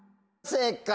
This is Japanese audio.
正解！